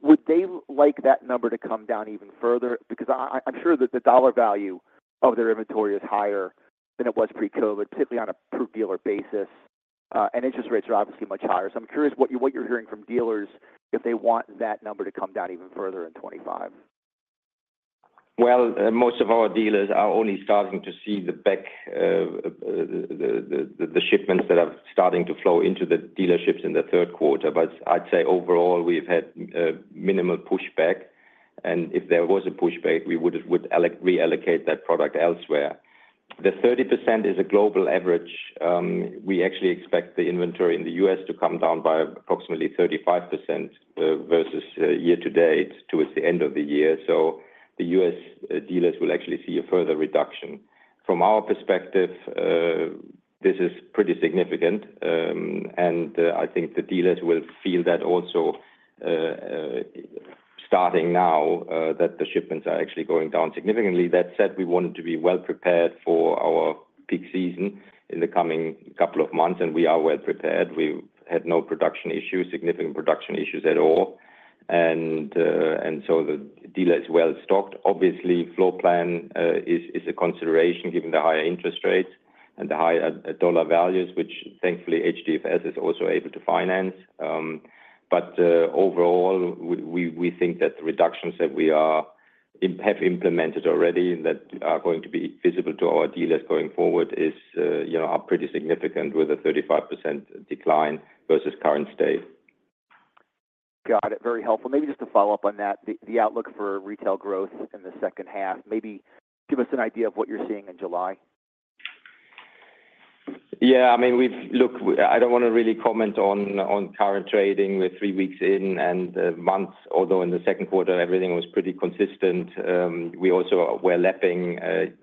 would they like that number to come down even further? Because I'm sure that the dollar value of their inventory is higher than it was pre-COVID, particularly on a per dealer basis, and interest rates are obviously much higher. So I'm curious what you're hearing from dealers if they want that number to come down even further in 2025. Well, most of our dealers are only starting to see the shipments that are starting to flow into the dealerships in the third quarter. But I'd say overall, we've had minimal pushback. And if there was a pushback, we would reallocate that product elsewhere. The 30% is a global average. We actually expect the inventory in the U.S. to come down by approximately 35% versus year-to-date towards the end of the year. So the U.S. dealers will actually see a further reduction. From our perspective, this is pretty significant. I think the dealers will feel that also starting now that the shipments are actually going down significantly. That said, we wanted to be well prepared for our peak season in the coming couple of months, and we are well prepared. We had no significant production issues at all. So the dealer is well stocked. Obviously, floor plan is a consideration given the higher interest rates and the higher dollar values, which thankfully HDFS is also able to finance. But overall, we think that the reductions that we have implemented already that are going to be visible to our dealers going forward are pretty significant with a 35% decline versus current state. Got it. Very helpful. Maybe just to follow up on that, the outlook for retail growth in the second half, maybe give us an idea of what you're seeing in July. Yeah. I mean, look, I don't want to really comment on current trading. We're three weeks in and months, although in the second quarter, everything was pretty consistent. We also were lapping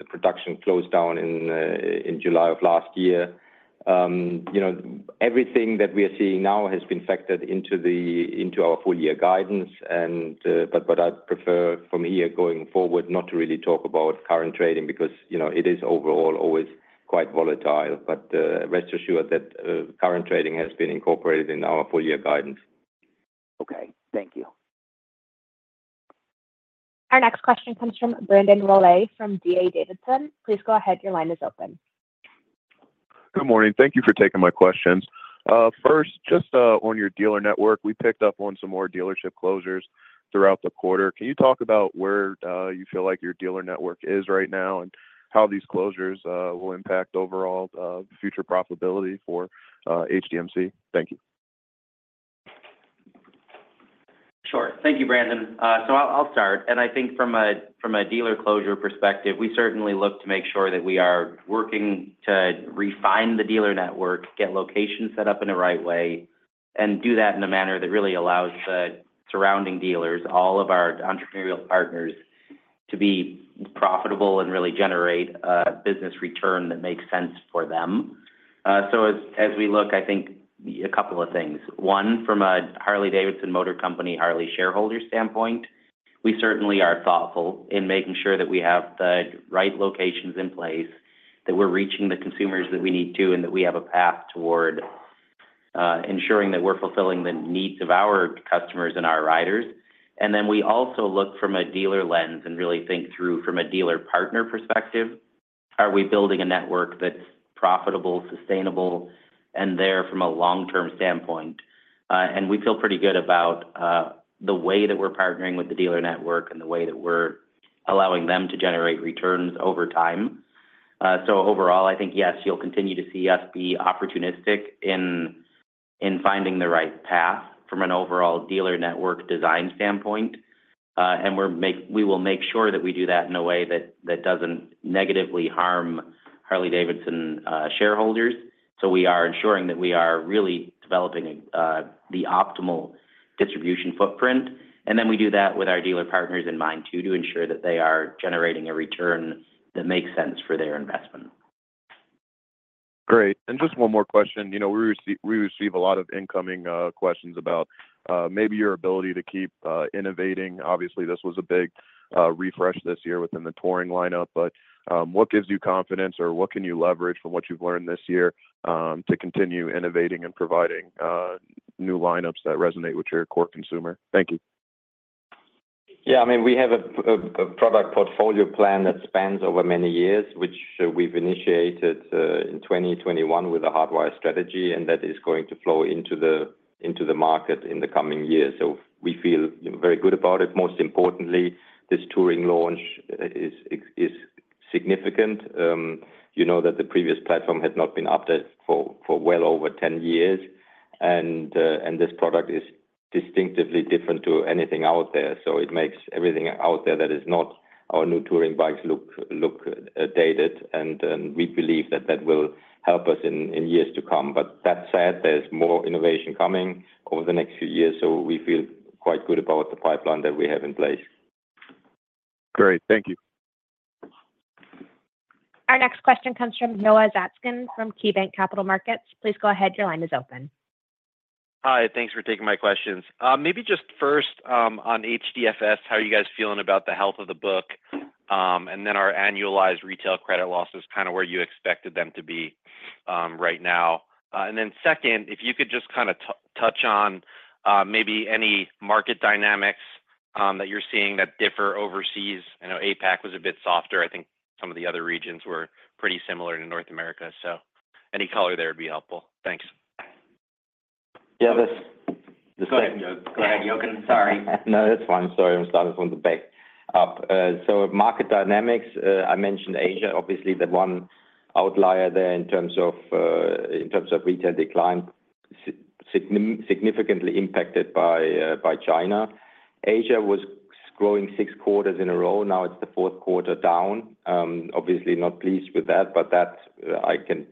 production close down in July of last year. Everything that we are seeing now has been factored into our full-year guidance. But what I'd prefer from here going forward, not to really talk about current trading because it is overall always quite volatile. But rest assured that current trading has been incorporated in our full-year guidance. Okay. Thank you. Our next question comes from Brandon Rollé from D.A. Davidson. Please go ahead. Your line is open. Good morning. Thank you for taking my questions. First, just on your dealer network, we picked up on some more dealership closures throughout the quarter. Can you talk about where you feel like your dealer network is right now and how these closures will impact overall future profitability for HDMC? Thank you. Sure. Thank you, Brandon. So I'll start. I think from a dealer closure perspective, we certainly look to make sure that we are working to refine the dealer network, get locations set up in the right way, and do that in a manner that really allows the surrounding dealers, all of our entrepreneurial partners, to be profitable and really generate a business return that makes sense for them. So as we look, I think a couple of things. One, from a Harley-Davidson Motor Company Harley shareholder standpoint, we certainly are thoughtful in making sure that we have the right locations in place, that we're reaching the consumers that we need to, and that we have a path toward ensuring that we're fulfilling the needs of our customers and our riders. And then we also look from a dealer lens and really think through from a dealer partner perspective. Are we building a network that's profitable, sustainable, and there from a long-term standpoint? And we feel pretty good about the way that we're partnering with the dealer network and the way that we're allowing them to generate returns over time. So overall, I think, yes, you'll continue to see us be opportunistic in finding the right path from an overall dealer network design standpoint. And we will make sure that we do that in a way that doesn't negatively harm Harley-Davidson shareholders. So we are ensuring that we are really developing the optimal distribution footprint. And then we do that with our dealer partners in mind too to ensure that they are generating a return that makes sense for their investment. Great. And just one more question. We receive a lot of incoming questions about maybe your ability to keep innovating. Obviously, this was a big refresh this year within the touring lineup. But what gives you confidence, or what can you leverage from what you've learned this year to continue innovating and providing new lineups that resonate with your core consumer? Thank you. Yeah. I mean, we have a product portfolio plan that spans over many years, which we've initiated in 2021 with a Hardwire strategy, and that is going to flow into the market in the coming years. So we feel very good about it. Most importantly, this touring launch is significant. You know that the previous platform had not been updated for well over 10 years, and this product is distinctively different to anything out there. So it makes everything out there that is not our new touring bikes look dated. And we believe that that will help us in years to come. But that said, there's more innovation coming over the next few years. So we feel quite good about the pipeline that we have in place. Great. Thank you. Our next question comes from Noah Zatzkin from KeyBanc Capital Markets. Please go ahead. Your line is open. Hi. Thanks for taking my questions. Maybe just first on HDFS, how are you guys feeling about the health of the book? And then our annualized retail credit loss is kind of where you expected them to be right now. And then second, if you could just kind of touch on maybe any market dynamics that you're seeing that differ overseas. I know APAC was a bit softer. I think some of the other regions were pretty similar in North America. So any color there would be helpful. Thanks. Yeah. The same. Go ahead, Jochen. Sorry. No, that's fine. Sorry. I'm starting from the back up. So market dynamics, I mentioned Asia. Obviously, the one outlier there in terms of retail decline significantly impacted by China. Asia was growing 6 quarters in a row. Now it's the fourth quarter down. Obviously, not pleased with that, but that I can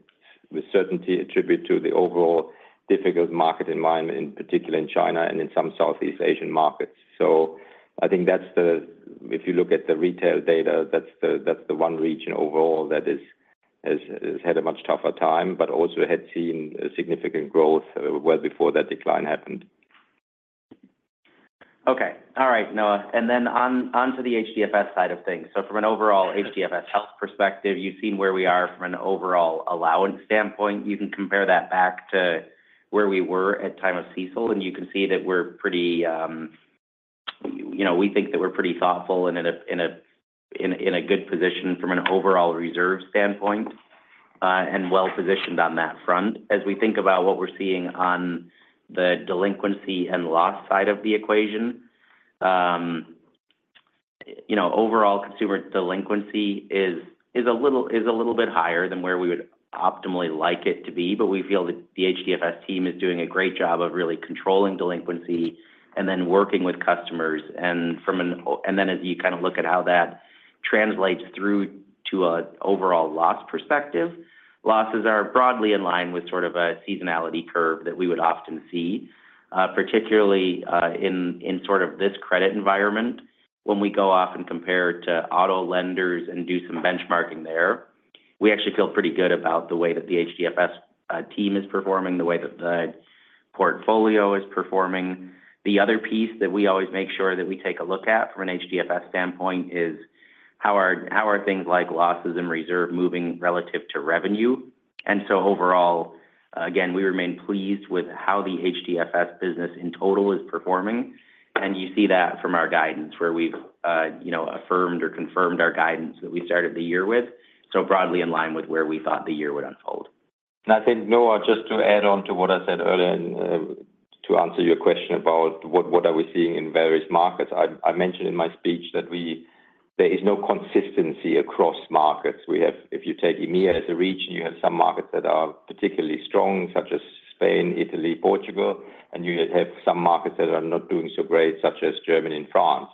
with certainty attribute to the overall difficult market environment, in particular in China and in some Southeast Asian markets. So I think that's the, if you look at the retail data, that's the one region overall that has had a much tougher time, but also had seen significant growth well before that decline happened. Okay. All right, Noah. And then onto the HDFS side of things. So from an overall HDFS health perspective, you've seen where we are from an overall allowance standpoint. You can compare that back to where we were at time of CECL, and you can see that we think that we're pretty thoughtful and in a good position from an overall reserve standpoint and well positioned on that front. As we think about what we're seeing on the delinquency and loss side of the equation, overall consumer delinquency is a little bit higher than where we would optimally like it to be. But we feel that the HDFS team is doing a great job of really controlling delinquency and then working with customers. And then as you kind of look at how that translates through to an overall loss perspective, losses are broadly in line with sort of a seasonality curve that we would often see, particularly in sort of this credit environment. When we go off and compare to auto lenders and do some benchmarking there, we actually feel pretty good about the way that the HDFS team is performing, the way that the portfolio is performing. The other piece that we always make sure that we take a look at from an HDFS standpoint is how are things like losses and reserve moving relative to revenue. And so overall, again, we remain pleased with how the HDFS business in total is performing. And you see that from our guidance where we've affirmed or confirmed our guidance that we started the year with. So broadly in line with where we thought the year would unfold. And I think, Noah, just to add on to what I said earlier and to answer your question about what are we seeing in various markets, I mentioned in my speech that there is no consistency across markets. If you take EMEA as a region, you have some markets that are particularly strong, such as Spain, Italy, Portugal, and you have some markets that are not doing so great, such as Germany and France.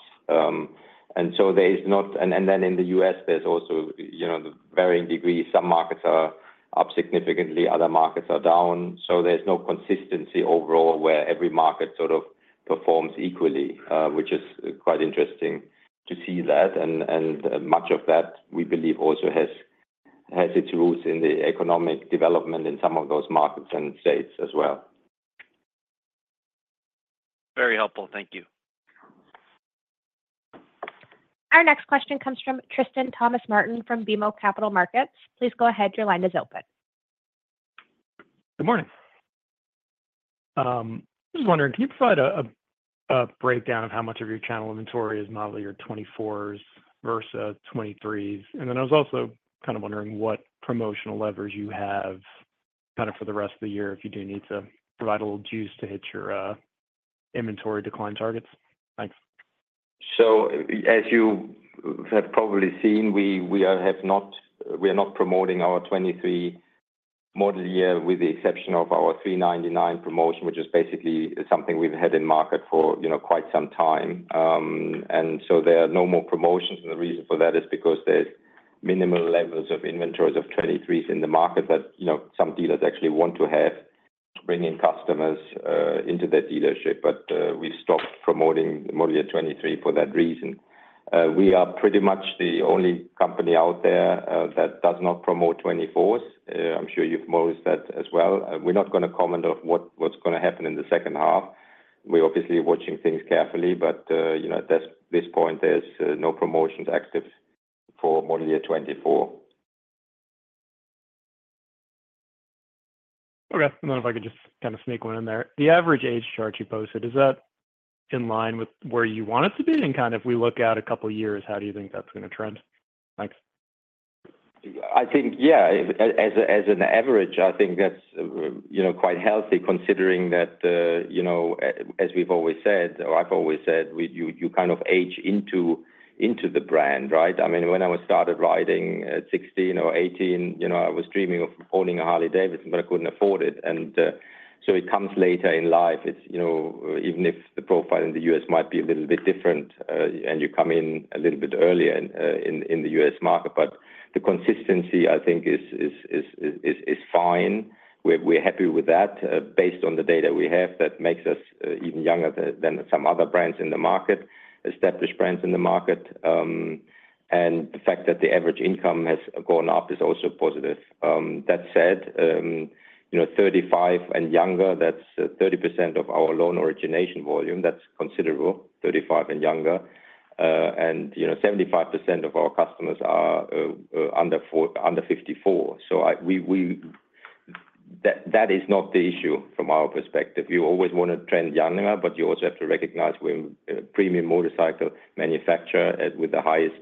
And so there is not and then in the U.S., there's also varying degrees. Some markets are up significantly, other markets are down. So there's no consistency overall where every market sort of performs equally, which is quite interesting to see that. And much of that, we believe, also has its roots in the economic development in some of those markets and states as well. Very helpful. Thank you. Our next question comes from Tristan Thomas-Martin from BMO Capital Markets. Please go ahead. Your line is open. Good morning. I was wondering, can you provide a breakdown of how much of your channel inventory is modeled on your 2024s versus 2023s? And then I was also kind of wondering what promotional levers you have kind of for the rest of the year if you do need to provide a little juice to hit your inventory decline targets. Thanks. So as you have probably seen, we are not promoting our 2023 model year with the exception of our $399 promotion, which is basically something we've had in market for quite some time. And so there are no more promotions. And the reason for that is because there's minimal levels of inventories of 2023s in the market that some dealers actually want to have to bring in customers into their dealership. But we've stopped promoting model year 2023 for that reason. We are pretty much the only company out there that does not promote 2024s. I'm sure you've noticed that as well. We're not going to comment on what's going to happen in the second half. We're obviously watching things carefully, but at this point, there's no promotions active for model year 2024. Okay. And then if I could just kind of sneak one in there. The average age chart you posted, is that in line with where you want it to be? And kind of if we look out a couple of years, how do you think that's going to trend? Thanks. I think, yeah, as an average, I think that's quite healthy considering that, as we've always said, or I've always said, you kind of age into the brand, right? I mean, when I was started riding at 16 or 18, I was dreaming of owning a Harley-Davidson, but I couldn't afford it. And so it comes later in life. Even if the profile in the U.S. might be a little bit different and you come in a little bit earlier in the U.S. market, but the consistency, I think, is fine. We're happy with that based on the data we have that makes us even younger than some other brands in the market, established brands in the market. And the fact that the average income has gone up is also positive. That said, 35 and younger, that's 30% of our loan origination volume. That's considerable, 35 and younger. And 75% of our customers are under 54. So that is not the issue from our perspective. You always want to trend younger, but you also have to recognize we're a premium motorcycle manufacturer with the highest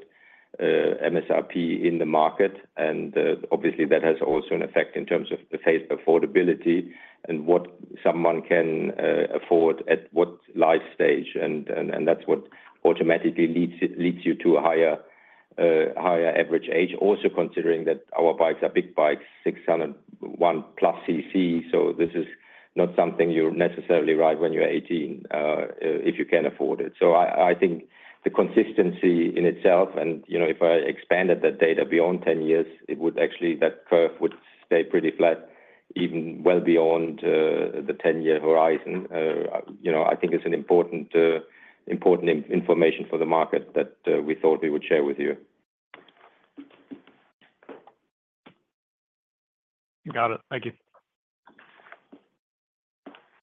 MSRP in the market. And obviously, that has also an effect in terms of the phase of affordability and what someone can afford at what life stage. And that's what automatically leads you to a higher average age, also considering that our bikes are big bikes, 601+ cc. So this is not something you necessarily ride when you're 18 if you can afford it. So I think the consistency in itself, and if I expanded that data beyond 10 years, it would actually that curve would stay pretty flat even well beyond the 10-year horizon. I think it's important information for the market that we thought we would share with you. Got it. Thank you.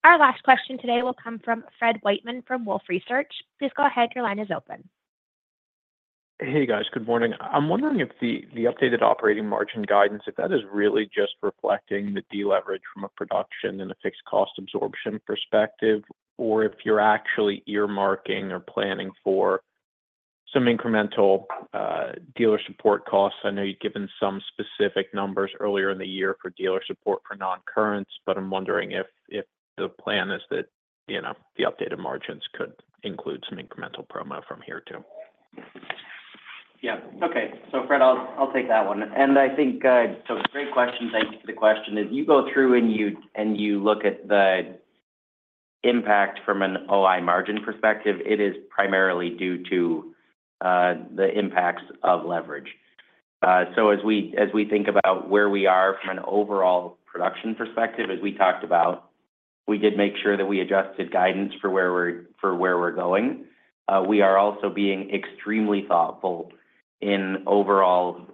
Our last question today will come from Fred Wightman from Wolfe Research. Please go ahead. Your line is open. Hey, guys. Good morning. I'm wondering if the updated operating margin guidance, if that is really just reflecting the deleverage from a production and a fixed cost absorption perspective, or if you're actually earmarking or planning for some incremental dealer support costs. I know you've given some specific numbers earlier in the year for dealer support for non-currents, but I'm wondering if the plan is that the updated margins could include some incremental promo from here too. Yeah. Okay. So, Fred, I'll take that one. And I think so great question. Thank you for the question. As you go through and you look at the impact from an OI margin perspective, it is primarily due to the impacts of leverage. So as we think about where we are from an overall production perspective, as we talked about, we did make sure that we adjusted guidance for where we're going. We are also being extremely thoughtful in overall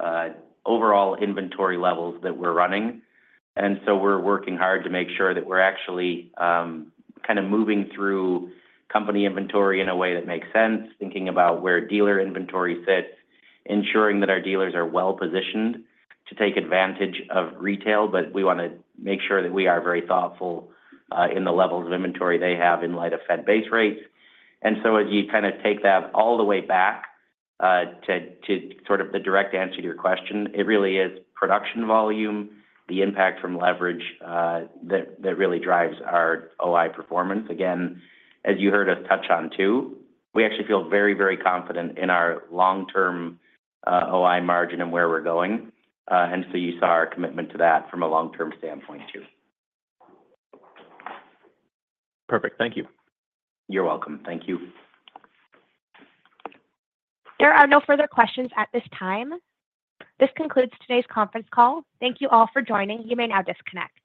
inventory levels that we're running. And so we're working hard to make sure that we're actually kind of moving through company inventory in a way that makes sense, thinking about where dealer inventory sits, ensuring that our dealers are well positioned to take advantage of retail. But we want to make sure that we are very thoughtful in the levels of inventory they have in light of Fed base rates. And so as you kind of take that all the way back to sort of the direct answer to your question, it really is production volume, the impact from leverage that really drives our OI performance. Again, as you heard us touch on too, we actually feel very, very confident in our long-term OI margin and where we're going. And so you saw our commitment to that from a long-term standpoint too. Perfect. Thank you. You're welcome. Thank you. There are no further questions at this time. This concludes today's conference call. Thank you all for joining. You may now disconnect.